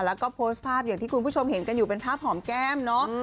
แล้วก็โพสต์ภาพอย่างที่คุณผู้ชมเห็นกันอยู่เป็นภาพหอมแก้มเนาะ